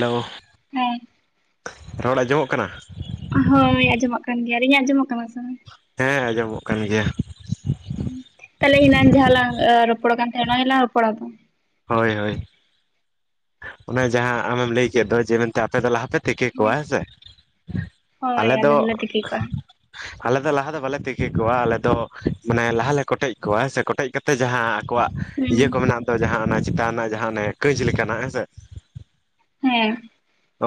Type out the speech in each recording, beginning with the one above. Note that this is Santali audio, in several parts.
ᱦᱮᱞᱳ ᱾ [inaudible] ᱨᱚᱲ ᱟᱸᱡᱚᱢᱚᱜ ᱠᱟᱱᱟ? ᱦᱳᱭ ᱟᱸᱡᱚᱢᱟᱜ ᱠᱟᱱ ᱜᱮᱭᱟ, ᱟᱨ ᱤᱧᱟᱹᱜ ᱟᱸᱡᱚᱢᱚᱜ ᱠᱟᱱᱟ ᱥᱮ ᱵᱟᱝ? ᱦᱮᱸ ᱟᱸᱡᱚᱢᱚᱜ ᱠᱟᱱ ᱜᱮᱭᱟ ᱾ ᱛᱟᱦᱚᱞᱮ ᱦᱮᱱᱟᱱ ᱡᱟᱦᱟᱸ ᱞᱟᱝ ᱨᱚᱯᱚᱲ ᱟᱠᱟᱱ ᱛᱟᱦᱮᱱᱟ ᱚᱱᱟ ᱜᱮ ᱞᱟᱝ ᱨᱚᱯᱚᱲᱟ ᱛᱚ? ᱦᱳᱭ ᱦᱳᱭ ᱚᱱᱟ ᱡᱟᱦᱟᱸ ᱟᱢᱮᱢ ᱞᱟᱹᱭ ᱠᱮᱫ ᱫᱚ ᱡᱮ ᱢᱮᱱᱛᱮ ᱟᱯᱮ ᱫᱚ ᱞᱟᱦᱟᱯᱮ ᱛᱮᱠᱮ ᱠᱚᱣᱟ ᱦᱮᱸ ᱥᱮ ᱦᱳᱭ ᱟᱞᱮ ᱫᱚ ᱫᱚᱞᱮ ᱛᱤᱠᱤ ᱠᱚᱜᱼᱟ ᱟᱞᱮ ᱫᱚ ᱞᱟᱦᱟ ᱫᱚ ᱵᱟᱞᱮ ᱛᱮᱠᱮ ᱠᱚᱣᱟ ᱟᱞᱮ ᱫᱚ ᱢᱟᱱᱮ ᱞᱟᱦᱟᱞᱮ ᱠᱚᱴᱮᱡ ᱠᱚᱣᱟ, ᱦᱮᱸ ᱥᱮ ᱠᱚᱴᱮᱡ ᱠᱟᱛᱮ ᱡᱟᱦᱟᱸ ᱠᱚᱣᱟᱜ ᱤᱭᱟᱹ ᱦᱩᱸ ᱠᱚ ᱢᱮᱱᱟᱜ ᱫᱚ ᱡᱟᱦᱟᱸ ᱚᱱᱟ ᱪᱮᱛᱟᱱ ᱨᱮᱱᱟᱜ ᱡᱟᱦᱟᱸ ᱚᱱᱮ ᱠᱟᱹᱪ ᱞᱮᱠᱟᱱᱟᱜ ᱦᱮᱸᱥᱮ ᱦᱮᱸ ᱾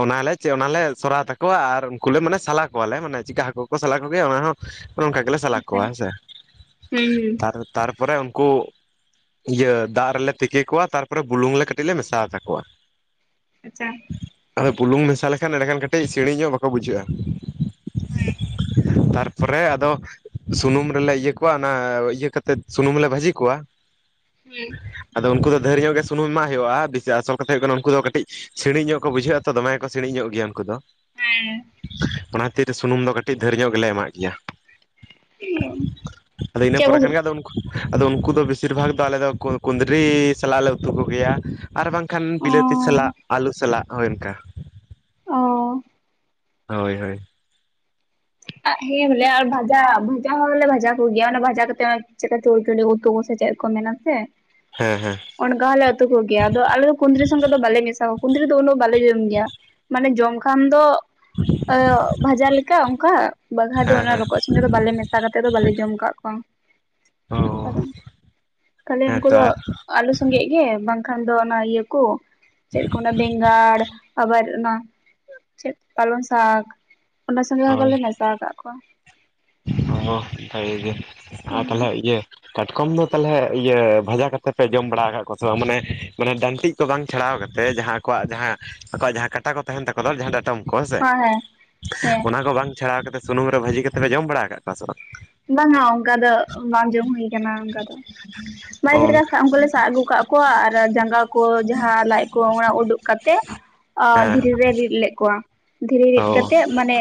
ᱚᱱᱟᱞᱮ ᱪᱮ ᱚᱱᱟᱞᱮ ᱥᱚᱨᱟᱭ ᱛᱟᱠᱚᱣᱟ ᱟᱨ ᱩᱱᱠᱩᱞᱮ ᱢᱟᱱᱮ ᱥᱟᱞᱟ ᱠᱚᱣᱟᱞᱮ ᱢᱟᱱᱮ ᱪᱤᱠᱟ ᱦᱟᱹᱠᱩ ᱠᱩ ᱥᱟᱞᱟ ᱠᱚᱜᱮᱭᱟ ᱚᱱᱟ ᱦᱚᱸ ᱚᱱᱮ ᱚᱱᱠᱟ ᱜᱮᱞᱮ ᱥᱟᱞᱟ ᱟᱪᱪᱷᱟ ᱠᱚᱣᱟ ᱦᱮᱸ ᱥᱮ, ᱦᱩᱸ ᱦᱩᱸ ᱛᱟᱨ ᱛᱟᱨᱯᱚᱨᱮ ᱩᱱᱠᱩ ᱤᱭᱟᱹ ᱫᱟᱜ ᱨᱮᱞᱮ ᱛᱤᱠᱤ ᱠᱚᱣᱟ ᱛᱟᱨᱯᱚᱨᱮ ᱵᱩᱞᱩᱝ ᱞᱮ ᱠᱟᱹᱴᱤᱡ ᱞᱮ ᱢᱮᱥᱟ ᱟᱛᱟᱠᱚᱣᱟ᱾ ᱟᱪᱪᱷᱟ᱾ ᱦᱳᱭ ᱵᱩᱞᱩᱝ ᱢᱮᱥᱟ ᱞᱮᱠᱷᱟᱱ ᱮᱸᱲᱮᱠᱷᱟᱱ ᱠᱟᱹᱴᱤᱡ ᱥᱤᱲᱤᱧ ᱧᱚᱜ ᱵᱟᱠᱚ ᱵᱩᱡᱷᱟᱹᱜᱼᱟ᱾ ᱛᱟᱨᱯᱚᱨᱮ ᱟᱫᱚ ᱥᱩᱱᱩᱢ ᱨᱮᱞᱮ ᱤᱭᱟᱹ ᱠᱚᱣᱟ ᱚᱱᱟ ᱤᱭᱟᱹ ᱠᱟᱛᱮᱫ ᱥᱩᱱᱩᱢ ᱨᱮᱞᱮ ᱵᱷᱟᱹᱡᱤ ᱠᱩᱣᱟ, ᱦᱩᱸ᱾ ᱟᱫᱚ ᱩᱱᱠᱩ ᱫᱚ ᱫᱷᱮᱨ ᱧᱚᱜ ᱜᱮ ᱥᱩᱱᱩᱢ ᱮᱢᱟᱜ ᱦᱩᱭᱩᱜᱼᱟ, ᱵᱮᱥᱤ ᱟᱥᱚᱞ ᱠᱟᱛᱮ ᱦᱩᱭᱩᱜ ᱠᱟᱱᱟ ᱩᱱᱠᱩ ᱫᱚ ᱠᱟᱹᱴᱤᱡ ᱥᱤᱬᱤᱡ ᱧᱚᱜ ᱠᱩ ᱵᱩᱡᱷᱟᱹᱜ-ᱟ ᱛᱚ ᱫᱚᱢᱮ ᱜᱮᱠᱚ ᱥᱤᱬᱤᱡ ᱧᱚᱜ ᱜᱮᱭᱟ ᱩᱱᱠᱩ ᱫᱚ᱾ ᱦᱮᱸ᱾ ᱚᱱᱟ ᱠᱷᱟᱹᱛᱤᱨ ᱥᱩᱱᱩᱢ ᱫᱚ ᱠᱟᱹᱴᱤᱡ ᱫᱷᱟᱹᱨ ᱧᱚᱜ ᱜᱮ ᱞᱮ ᱮᱢᱟᱜ ᱜᱮᱭᱟ᱾ ᱟᱫᱚ ᱤᱱᱟᱹ ᱪᱮᱫ ᱠᱚ ᱯᱚᱨᱮ ᱠᱷᱟᱱ ᱜᱮ ᱟᱫᱚ ᱩᱱ ᱟᱫᱚ ᱩᱱᱠᱩ ᱫᱚ ᱵᱮᱥᱤᱨ ᱵᱷᱟᱜᱽ ᱫᱚ ᱟᱞᱮ ᱫᱚ ᱠᱚ ᱠᱩᱸᱫᱽᱨᱤ ᱥᱟᱞᱟᱜ ᱞᱮ ᱩᱛᱩ ᱠᱩᱜᱮᱭᱟ᱾ ᱟᱨ ᱵᱟᱝ ᱠᱷᱟᱱ ᱚ ᱵᱤᱞᱟᱹᱛᱤ ᱥᱟᱞᱟᱜ ᱟᱞᱩ ᱥᱟᱞᱟᱜ ᱦᱳᱭ ᱚᱱᱠᱟ᱾ ᱚ᱾ ᱦᱳᱭ ᱦᱳᱭ᱾ ᱟᱜ ᱦᱮᱸ ᱵᱚᱞᱮ ᱟᱨ ᱵᱷᱟᱡᱟ ᱵᱷᱟᱡᱟ ᱦᱚᱸ ᱵᱚᱞᱮ ᱵᱷᱟᱡᱟ ᱠᱚᱜᱮᱭᱟ ᱚᱱᱟ ᱵᱷᱟᱡᱟ ᱠᱟᱛᱮ ᱦᱚᱸᱜᱼᱚᱭ ᱪᱮᱫᱠᱟ ᱪᱚᱲ-ᱪᱚᱲᱤ ᱩᱛᱩ ᱠᱚ ᱥᱮ ᱪᱮᱫ ᱠᱚ ᱢᱮᱱᱟ ᱥᱮ? ᱦᱮᱸ ᱦᱮᱸ᱾ ᱚᱱᱠᱟ ᱦᱚᱸᱞᱮ ᱩᱛᱩ ᱠᱚ ᱜᱮᱭᱟ, ᱟᱫᱚ ᱟᱞᱮ ᱦᱚ ᱠᱩᱸᱫᱽᱨᱤ ᱥᱚᱸᱜᱮ ᱫᱚ ᱵᱟᱞᱮ ᱢᱮᱥᱟ ᱠᱩᱫᱽᱤᱨ ᱫᱚ ᱩᱱᱟᱹᱜ ᱵᱟᱞᱮ ᱡᱚᱢ ᱜᱮᱭᱟ, ᱢᱟᱱᱮ ᱡᱚᱢ ᱠᱷᱟᱱ ᱫᱚ ᱮᱹᱜ ᱵᱷᱟᱡᱟ ᱞᱮᱠᱟ ᱠᱟ ᱵᱟᱜᱷᱟ ᱫᱚ ᱦᱮᱸ ᱚᱱᱟ ᱦᱮᱸ ᱨᱚᱠᱚᱡ ᱥᱚᱸᱜᱮ ᱫᱚ ᱵᱟᱞᱮ ᱢᱮᱥᱟ ᱠᱟᱛᱮᱫ ᱫᱚ ᱵᱟᱞᱮ ᱡᱚᱢ ᱟᱠᱟᱟᱜ ᱠᱚᱣᱟ᱾ ᱚ ᱠᱟᱨᱚᱱ ᱠᱷᱟᱹᱞᱤ ᱦᱮᱸ ᱩᱱᱠᱩ ᱛᱚ ᱫᱚ ᱟᱨ ᱟᱞᱩ ᱥᱚᱸᱜᱮᱜ ᱜᱮ ᱵᱟᱝᱠᱷᱟᱱ ᱫᱚ ᱚᱱᱟ ᱤᱭᱟᱹ ᱠᱚ ᱪᱮᱫ ᱠᱚ ᱢᱮᱱᱟ ᱵᱮᱸᱜᱟᱲ ᱟᱵᱟᱨ ᱚᱱᱟ ᱪᱮᱫ ᱯᱟᱞᱚᱱ ᱥᱟᱠ, ᱚᱱᱟ ᱥᱚᱸᱜᱮ ᱦᱚᱸ ᱵᱚᱞᱮ ᱢᱮᱥᱟ ᱟᱠᱟᱫ ᱠᱚᱣᱟ᱾ ᱚ ᱦᱚ ᱵᱷᱟᱜᱮ ᱜᱮ ᱟᱨ ᱛᱟᱞᱦᱮ ᱦᱮᱸ ᱤᱭᱟᱹ ᱠᱟᱴᱠᱚᱢ ᱫᱚ ᱛᱟᱞᱦᱮ ᱤᱭᱟᱹ ᱵᱷᱟᱡᱟ ᱠᱟᱛᱮ ᱯᱮ ᱡᱚᱢ ᱵᱟᱲᱟ ᱟᱠᱟᱫ ᱠᱚᱣᱟ ᱥᱮ ᱵᱟᱝ? ᱢᱟᱱᱮ ᱢᱟᱱᱮ ᱰᱟᱱᱴᱤᱡ ᱛᱚ ᱵᱟᱝ ᱪᱷᱟᱲᱟᱣ ᱠᱟᱛᱮᱫ ᱡᱟᱦᱟᱸ ᱟᱠᱚᱣᱟᱜ ᱡᱟᱦᱟᱸ ᱟᱠᱚᱣᱟᱜ ᱡᱟᱦᱟᱸ ᱠᱟᱴᱟ ᱠᱚ ᱛᱟᱦᱮᱱ ᱛᱟᱠᱚ ᱫᱚ ᱡᱟᱦᱟᱸ ᱰᱟᱴᱠᱚᱢ ᱠᱚ ᱦᱮ ᱥᱮ ᱦᱮᱸ ᱦᱮᱸ ᱚᱱᱟ ᱠᱚ ᱵᱟᱝ ᱪᱷᱟᱲᱟᱣ ᱠᱟᱛᱮ ᱥᱩᱱᱩᱢ ᱨᱮ ᱵᱷᱟᱹᱡᱤ ᱠᱟᱛᱮ ᱯᱮ ᱡᱚᱢ ᱵᱟᱲᱟ ᱟᱠᱟᱫ ᱠᱚᱣᱟ ᱥᱮ ᱵᱟᱝ? ᱵᱟᱝᱼᱟ ᱚᱱᱠᱟ ᱫᱚ ᱵᱟᱝ ᱡᱚᱢ ᱦᱩᱭ ᱠᱟᱱᱟ ᱚᱱᱠᱟ ᱫᱚ᱾ ᱚ ᱢᱟᱱᱮ ᱪᱮᱫ ᱞᱮᱠᱟ ᱚᱱᱠᱟ ᱥᱟᱵ ᱩᱱᱠᱩ ᱞᱮ ᱥᱟᱵ ᱟᱹᱜᱩ ᱠᱟᱜ ᱠᱩᱣᱟ ᱟᱨ ᱡᱟᱸᱜᱟ ᱠᱚ ᱡᱟᱦᱟᱸ ᱞᱟᱡ ᱠᱚ ᱚᱱᱟ ᱩᱰᱩᱠ ᱠᱟᱛᱮ ᱟ ᱦᱮᱸ ᱫᱷᱤᱨᱤ ᱨᱮ ᱨᱤᱫ ᱞᱮᱫ ᱠᱚᱣᱟ᱾ ᱫᱷᱤᱨᱤ ᱨᱤᱫ ᱚ ᱠᱟᱛᱮᱫ ᱢᱟᱱᱮ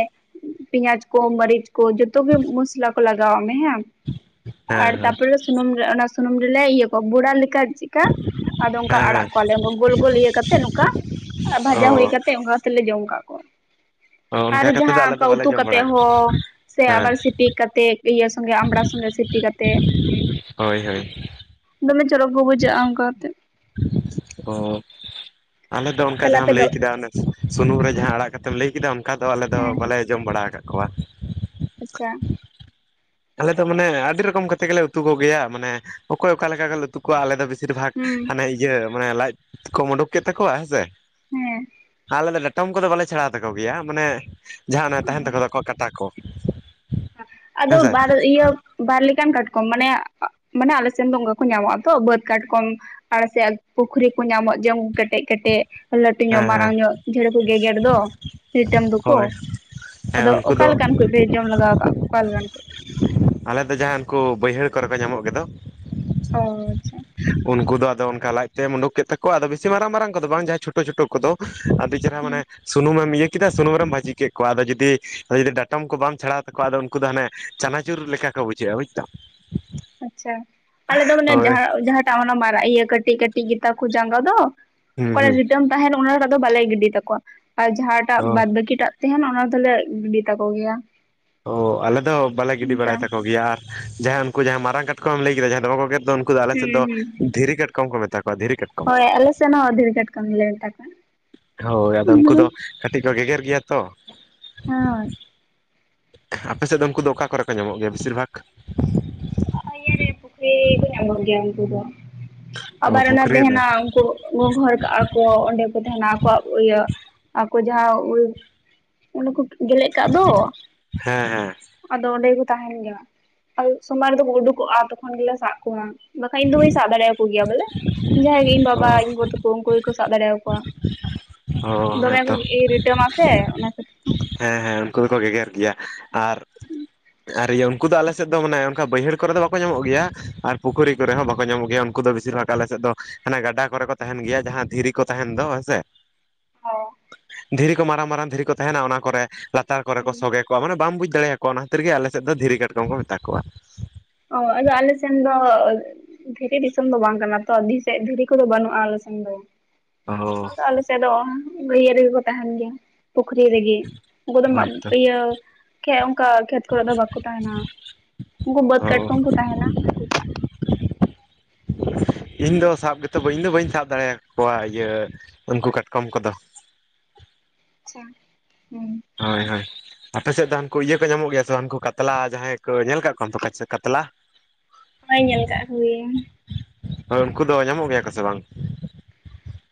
ᱯᱮᱸᱭᱟᱡ ᱠᱚ ᱢᱟᱹᱨᱤᱪ ᱠᱚ ᱡᱚᱛᱚ ᱜᱮ ᱢᱚᱥᱞᱟ ᱠᱚ ᱞᱟᱜᱟᱣᱟᱜ ᱢᱮ ᱦᱮᱸ ᱦᱮᱸ ᱟᱨ ᱦᱮᱸ ᱛᱟᱯᱚᱨᱮ ᱥᱩᱱᱩᱢ ᱨᱮ ᱚᱱᱮ ᱥᱩᱱᱩᱢ ᱨᱮᱞᱮ ᱤᱭᱟᱹ ᱠᱚᱣᱟ ᱵᱚᱲᱟ ᱞᱮᱠᱟ ᱪᱮ ᱠᱟ ᱟᱫᱚ ᱚᱱᱠᱟ ᱦᱮᱸ ᱟᱲᱟᱜ ᱦᱮᱸ ᱠᱚᱣᱟᱞᱮ ᱚᱱᱠᱟ ᱜᱳᱞ ᱜᱳᱞ ᱤᱭᱟᱹ ᱠᱟᱛᱮ ᱱᱚᱝᱠᱟ ᱚ ᱵᱷᱟᱡᱟ ᱦᱩᱭ ᱠᱟᱛᱮᱜ ᱚᱱᱠᱟ ᱛᱮᱞᱮ ᱡᱚᱢ ᱠᱟᱜ ᱠᱚᱣᱟ᱾ ᱚ ᱟᱨ ᱚᱱᱠᱟ ᱠᱟᱛᱮ ᱫᱚ ᱡᱟᱦᱟᱸ ᱟᱞᱮ ᱫᱚ ᱚᱱᱠᱟ ᱵᱟᱞᱮ ᱩᱛᱩ ᱡᱚᱢ ᱠᱟᱛᱮ ᱵᱟᱲᱟ ᱠᱟᱜᱼᱟ ᱦᱚᱸ ᱥᱮ ᱦᱮᱸ ᱟᱵᱟᱨ ᱥᱤᱯᱤ ᱠᱟᱛᱮᱜ ᱤᱭᱟᱹ ᱥᱚᱸᱜᱮ ᱟᱢᱲᱟ ᱥᱚᱸᱜᱮ ᱥᱤᱯᱤ ᱠᱟᱛᱮᱫ ᱦᱳᱭ ᱦᱳᱭ ᱫᱚᱢᱮ ᱪᱚᱨᱚᱠ ᱠᱚ ᱵᱩᱡᱷᱟᱹᱜᱼᱟ ᱚᱱᱠᱟ ᱠᱟᱛᱮᱫ᱾ ᱚ ᱟᱞᱮ ᱫᱚ ᱚᱱᱠᱟ ᱛᱟᱦᱞᱮ ᱟᱯᱮ ᱡᱟᱦᱟᱸᱢ ᱫᱚ ᱞᱟᱹᱭ ᱠᱮᱫᱟ ᱚᱱᱮ ᱥᱩᱱᱩᱢ ᱨᱮ ᱡᱟᱦᱟᱸ ᱟᱲᱟᱜ ᱠᱟᱛᱮᱢ ᱞᱟᱹᱭ ᱠᱮᱫᱟ ᱚᱱᱠᱟ ᱫᱚ ᱟᱞᱮ ᱫᱚ ᱦᱮᱸ ᱵᱟᱞᱮ ᱡᱚᱢ ᱵᱟᱲᱟ ᱟᱠᱟᱫ ᱠᱩᱣᱟ᱾ ᱟᱪᱪᱷᱟ᱾ ᱟᱞᱮ ᱫᱚ ᱢᱟᱱᱮ ᱟᱹᱰᱤ ᱨᱚᱠᱚᱢ ᱠᱟ ᱠᱟᱛᱮ ᱜᱮᱞᱮ ᱩᱛᱩ ᱠᱚ ᱜᱮᱭᱟ ᱢᱟᱱᱮ ᱚᱠᱚᱭ ᱚᱠᱟ ᱞᱮᱠᱟ ᱜᱮᱞᱮ ᱛᱩ ᱠᱚᱣᱟ ᱟᱞᱮ ᱫᱚ ᱵᱮᱥᱤᱨ ᱵᱷᱟᱜᱽ ᱦᱩᱸ ᱦᱟᱱᱮ ᱤᱭᱟᱹ ᱢᱟᱱᱮ ᱞᱟᱡ ᱠᱚ ᱩᱰᱩᱠ ᱠᱮᱫ ᱛᱟᱠᱩᱣᱟ, ᱦᱮᱸ ᱥᱮ? ᱦᱮᱸ᱾ ᱟᱞᱮ ᱫᱚ ᱰᱟᱴᱚᱢ ᱠᱚᱫᱚ ᱵᱟᱞᱮ ᱪᱷᱟᱲᱟᱣ ᱛᱟᱠᱚ ᱜᱮᱭᱟ ᱢᱟᱱᱮ ᱡᱟᱦᱟᱸ ᱚᱱᱟᱜ ᱛᱟᱦᱮᱱ ᱛᱟᱠᱚ ᱫᱚ ᱠᱚᱜ ᱠᱟᱴᱟ ᱠᱚ᱾ ᱟᱫᱚ ᱦᱮᱸᱥᱮ ᱵᱟᱨ ᱤᱭᱟᱹ ᱵᱟᱨ ᱞᱮᱠᱟᱱ ᱠᱟᱴᱠᱚᱢ ᱢᱟᱱᱮ ᱢᱟᱱᱮ ᱟᱞᱮ ᱥᱮᱱ ᱫᱚ ᱚᱝᱠᱟ ᱠᱚ ᱧᱟᱢᱚᱜ-ᱟ ᱛᱚ ᱵᱟᱹᱫ ᱠᱟᱴᱠᱚᱢ, ᱟᱲᱮ ᱥᱮ ᱟᱜ ᱯᱩᱠᱷᱨᱤ ᱠᱚ ᱧᱟᱢᱚᱜ ᱡᱚᱝ ᱠᱮᱴᱮᱡ, ᱠᱮᱴᱮᱡ ᱞᱟᱹᱴᱩ ᱦᱮᱸ ᱧᱚᱜ ᱦᱮᱸ ᱢᱟᱨᱟᱝ ᱧᱚᱜ ᱡᱷᱮᱲᱮ ᱠᱚ ᱜᱮᱜᱮᱨ ᱫᱚ ᱨᱤᱴᱮᱢ ᱫᱚᱠᱚ, ᱦᱳᱭ ᱦᱮᱸ ᱩᱱᱠᱩ ᱫᱚ ᱵᱤᱨ ᱡᱚᱢ ᱞᱟᱜᱟᱣ ᱠᱟᱜ ᱟᱞᱮ ᱫᱚ ᱡᱟᱦᱟᱸ ᱩᱱᱠᱩ ᱵᱟᱹᱭᱦᱟᱹᱲ ᱠᱚᱨᱮ ᱠᱚ ᱧᱟᱢᱚᱜ ᱜᱮᱫᱚ, ᱚ ᱟᱪᱪᱷᱟ, ᱩᱱᱠᱩ ᱫᱚ ᱟᱫᱚ ᱚᱱᱠᱟ ᱞᱟᱡ ᱛᱮᱫ ᱩᱰᱩᱠ ᱠᱮᱫ ᱛᱟᱠᱚᱣᱟ ᱟᱫᱚ ᱵᱤᱥᱤ ᱢᱟᱨᱟᱝ ᱢᱟᱨᱟᱝ ᱠᱚᱫᱚ ᱵᱟᱝ ᱡᱟᱦᱟᱸ ᱪᱷᱳᱴᱳ ᱪᱷᱳᱴᱳ ᱠᱚᱫᱚ ᱪᱮᱦᱨᱟ ᱦᱩᱸ ᱢᱟᱱᱮ ᱥᱩᱱᱩᱢ ᱮᱢ ᱤᱭᱟᱹ ᱠᱮᱫᱟ ᱥᱩᱱᱩᱢ ᱵᱷᱟᱹᱡᱤ ᱠᱮᱫ ᱠᱚᱣᱟ ᱟᱫᱚ ᱡᱩᱫᱤ ᱟᱨ ᱡᱩᱫᱤ ᱰᱟᱴᱚᱢ ᱠᱚᱢ ᱪᱷᱟᱲ ᱛᱟᱠᱚᱣᱟ ᱟᱫᱚ ᱠᱩ ᱫᱚ ᱦᱟᱱᱮ ᱪᱟᱱᱟᱪᱩᱨ ᱞᱮᱠᱟ ᱠᱚ ᱵᱩᱡᱷᱟᱹᱜ-ᱟ ᱵᱩᱪ ᱫᱟᱢ᱾ ᱟᱪᱪᱷᱟ ᱟᱞᱮ ᱫᱚ ᱢᱟᱱᱮ ᱦᱳᱭ ᱡᱟᱸᱦᱟ ᱡᱟᱦᱟᱸᱴᱟᱜ ᱢᱟᱱᱮ ᱢᱟᱨᱟ ᱤᱭᱟᱹ ᱠᱟᱹᱴᱤᱪ ᱠᱟᱹᱴᱤᱪ ᱜᱮᱛᱟ ᱠᱚ ᱡᱟᱸᱜᱟ ᱫᱚ, ᱦᱩᱸ ᱚᱠᱟᱨᱮ ᱦᱩᱸ ᱨᱤᱴᱮᱢ ᱛᱟᱦᱮᱱ ᱚᱱᱟᱴᱟᱜ ᱫᱚ ᱵᱟᱞᱮ ᱜᱤᱰᱤ ᱛᱟᱠᱚᱣᱟ ᱟᱨ ᱡᱟᱦᱟᱸᱴᱟᱜ ᱚ ᱵᱟᱫᱽ ᱵᱟᱹᱠᱤ ᱴᱟᱜ ᱛᱮᱦᱮᱱ ᱚᱱᱟ ᱫᱚᱞᱮ ᱜᱤᱰᱤ ᱛᱟᱠᱚ ᱜᱮᱭᱟ᱾ ᱚ ᱟᱞᱮ ᱫᱚ ᱵᱟᱞᱮ ᱜᱤᱰᱤ ᱚᱱᱠᱟ ᱵᱟᱲᱟᱭ ᱛᱟᱠᱚ ᱜᱮᱭᱟ, ᱟᱨ ᱡᱟᱦᱟᱸᱭ ᱩᱱᱠᱩ ᱡᱟᱦᱟᱸᱭ ᱢᱟᱨᱟᱝ ᱠᱟᱴᱠᱚᱢ ᱞᱟᱹᱭ ᱠᱮᱫᱟ ᱡᱟᱦᱟᱸᱭ ᱫᱚ ᱵᱟᱝ ᱠᱚ ᱜᱮᱨ ᱫᱚ ᱩᱱᱠᱩ ᱫᱚ ᱟᱞᱮ ᱥᱮᱫ ᱫᱚ ᱦᱩᱸ ᱫᱷᱤᱨᱤ ᱠᱟᱴᱠᱚᱢ ᱠᱚ ᱢᱮᱛᱟ ᱠᱚᱣᱟ ᱫᱷᱤᱨᱤ ᱠᱟᱴ ᱦᱚᱭ ᱟᱞᱮ ᱥᱮ ᱥᱮᱱᱦᱚᱸ ᱫᱷᱤᱨᱤ ᱠᱟᱴᱠᱚᱢ ᱜᱮ ᱞᱮ ᱢᱮᱛᱟ ᱠᱚᱣᱟ᱾ ᱦᱳᱭ ᱟᱫᱚ ᱩᱱᱠᱩ ᱫᱚ ᱠᱟᱹᱴᱤᱡ ᱠᱚ ᱜᱮᱜᱮᱨ ᱜᱮᱭᱟ ᱛᱚ, ᱦᱟᱸ, ᱟᱯᱮ ᱥᱮᱫ ᱫᱚ ᱩᱱᱠᱩ ᱫᱚ ᱚᱠᱟ ᱠᱚᱨᱮ ᱠᱚ ᱧᱟᱢᱚᱜ ᱜᱮᱭᱟ ᱵᱤᱥᱤᱨ ᱵᱷᱟᱜᱽ? ᱤᱭᱟᱹ ᱨᱮ ᱯᱩᱠᱷᱨᱤ ᱨᱮ ᱧᱟᱢᱚᱜ ᱜᱮᱭᱟ ᱩᱱᱠᱩ ᱫᱚ ᱚ ᱟᱵᱟᱨ ᱚᱱᱟ ᱯᱩᱠᱷᱨᱤ ᱨᱮ ᱛᱮᱦᱮᱱᱟ ᱩᱱᱠᱩ ᱜᱚᱸᱜᱷᱚᱨ ᱠᱟᱜ-ᱟ ᱠᱚ ᱚᱸᱰᱮ ᱠᱚ ᱛᱟᱦᱮᱱᱟ ᱟᱠᱚᱣᱟᱜ ᱤᱭᱟᱹ ᱟᱠᱚ ᱡᱟᱦᱟᱸ ᱚᱸᱰᱮ ᱠᱚ ᱜᱮᱞᱮᱫ ᱠᱟᱜ ᱫᱚ, ᱦᱮᱸ ᱦᱮᱸ ᱚᱸᱰᱮ ᱜᱮᱠᱚ ᱛᱟᱦᱮᱱ ᱜᱮᱭᱟ᱾ ᱥᱚᱢᱟᱱ ᱨᱮᱫᱚ ᱩᱰᱩᱠᱚᱜ-ᱟ ᱛᱚᱠᱷᱚᱱ ᱜᱮᱞᱮ ᱥᱟᱵ ᱠᱚᱢᱟ ᱵᱟᱠᱷᱟᱡ ᱤᱧ ᱫᱚ ᱵᱟᱹᱧ ᱥᱟᱵ ᱫᱟᱲᱮᱭ ᱠᱩ ᱜᱮᱭᱟ ᱵᱚᱞᱮ ᱡᱟᱦᱟᱸᱭ ᱜᱮ ᱤᱧ ᱚ ᱵᱟᱵᱟ ᱤᱧ ᱜᱚ ᱛᱟᱠᱚ ᱩᱱᱠᱩ ᱜᱮᱠᱚ ᱥᱟᱵ ᱫᱟᱲᱮᱭ ᱟᱠᱚᱣᱟ᱾ ᱚ ᱫᱚᱢᱮ ᱠᱚ ᱦᱮᱸᱛᱚ ᱨᱤᱴᱟᱹᱢ ᱟᱥᱮ ᱚᱱᱟ ᱠᱷᱟ ᱦᱮᱸ ᱦᱮᱸ ᱩᱱᱠᱩ ᱫᱚᱠᱚ ᱜᱮᱜᱮᱨ ᱜᱮᱭᱟ ᱟᱨ ᱟᱨ ᱤᱭᱟᱹ ᱠᱩ ᱫᱚ ᱟᱞᱮ ᱥᱮᱫ ᱫᱚ ᱢᱟᱱᱮ ᱚᱱᱠᱟ ᱵᱟᱹᱭᱦᱟᱹᱲ ᱠᱚᱨᱮ ᱫᱚ ᱵᱟᱠᱚ ᱧᱟᱢᱚᱜ ᱜᱮᱭᱟ ᱟᱨ ᱯᱩᱠᱷᱨᱤ ᱠᱚᱨᱮ ᱦᱚᱸ ᱵᱟᱠᱚ ᱧᱟᱢᱚᱜ ᱜᱮᱭᱟ ᱩᱱᱠᱩ ᱫᱚ ᱵᱤᱥᱤᱨ ᱵᱷᱟᱜᱽ ᱟᱞᱮ ᱥᱮᱫ ᱫᱚ ᱦᱟᱱᱮ ᱜᱟᱰᱟ ᱠᱚᱨᱮ ᱠᱚ ᱛᱟᱦᱮᱱ ᱜᱮᱭᱟ ᱡᱟᱦᱟᱸ ᱫᱷᱤᱨᱤ ᱠᱚ ᱛᱟᱦᱮᱱ ᱫᱚ ᱦᱮᱸ ᱥᱮ, ᱦᱮᱸ ᱫᱷᱤᱨᱤ ᱠᱚ ᱢᱟᱨᱟᱝ ᱢᱟᱨᱟᱝ ᱫᱷᱤᱨᱤ ᱠᱚ ᱛᱟᱦᱮᱱᱟ ᱚᱱᱟ ᱠᱚᱨᱮ ᱞᱟᱛᱟᱨ ᱠᱚᱨᱮ ᱦᱩᱸ ᱠᱚ ᱥᱚᱜᱮ ᱠᱚ ᱢᱟᱱᱮ ᱵᱟᱢ ᱵᱩᱡᱽ ᱫᱟᱲᱮ ᱟᱠᱚᱣᱟ ᱚᱱᱟ ᱠᱷᱟᱹᱛᱤᱨ ᱜᱮ ᱟᱞᱮ ᱥᱮᱫ ᱫᱚ ᱫᱷᱤᱨᱤ ᱠᱟᱴᱠᱚᱢ ᱠᱚ ᱢᱮᱛᱟ ᱠᱚᱣᱟ᱾ ᱚ ᱟᱫᱚ ᱟᱞᱮ ᱥᱮᱱ ᱫᱚ ᱫᱷᱤᱨᱤ ᱫᱤᱥᱚᱢ ᱫᱚ ᱵᱟᱝ ᱠᱟᱱᱟ ᱛᱚ ᱫᱷᱤᱨᱤ ᱠᱚᱫᱚ ᱵᱟᱹᱱᱩᱜ-ᱟ ᱟᱞᱮ ᱥᱮᱱ ᱫᱚ᱾ ᱚ ᱟᱫᱚ ᱟᱞᱮ ᱥᱮᱫ ᱫᱚ ᱵᱟᱹᱭᱟᱹᱲ ᱨᱮᱜᱮ ᱠᱚ ᱛᱟᱦᱮᱱ ᱜᱮᱭᱟ᱾ ᱯᱩᱠᱷᱨᱤ ᱨᱮᱜᱤ ᱩᱱᱠᱩ ᱫᱚ ᱦᱳᱭᱛᱚ᱾ ᱤᱭᱟᱹ ᱚᱱᱠᱟ ᱠᱷᱮᱛ ᱠᱚᱨᱮ ᱫᱚ ᱵᱟᱝᱠᱚ ᱛᱟᱦᱮᱱᱟ᱾ ᱩᱱᱠᱩ ᱵᱟᱹᱫᱽ ᱚ ᱠᱟᱴᱠᱚᱢ ᱠᱚ ᱛᱟᱦᱮᱱᱟ ᱩᱱᱠᱩ, [inaudible] ᱤᱧ ᱫᱚ ᱥᱟᱵ ᱜᱮᱛᱚ ᱵᱟᱹᱤᱧ ᱤᱧ ᱫᱚ ᱵᱟᱹᱧ ᱥᱟᱵ ᱫᱟᱲᱮᱭ ᱠᱚᱣᱟ ᱤᱭᱟᱹ ᱩᱱᱠᱩ ᱠᱟᱴᱠᱚᱢ ᱠᱚᱫᱚ᱾ ᱪᱷᱟ ᱦᱩᱸ ᱦᱚᱸᱭ ᱦᱚᱸᱭ, ᱟᱯᱮ ᱥᱮᱫ ᱫᱚ ᱦᱟᱱᱠᱩ ᱤᱭᱟᱹ ᱠᱚ ᱧᱟᱢᱚᱜ ᱜᱮᱭᱟ ᱥᱮ ᱦᱟᱱᱠᱩ ᱠᱟᱛᱞᱟ ᱡᱟᱦᱟᱸᱭ ᱠᱚ ᱧᱮᱞ ᱟᱠᱟᱫ ᱠᱚᱣᱟ ᱛᱚ ᱠᱟᱛᱞᱟ ᱦᱚᱭ ᱧᱮᱞ ᱠᱟᱜ ᱠᱚ ᱜᱤ ᱭᱟᱹᱧ᱾ ᱦᱳᱭ ᱩᱱᱠᱩ ᱫᱚ ᱧᱟᱢᱚᱜ ᱜᱮᱭᱟ ᱠᱚ ᱥᱮ ᱵᱟᱝ?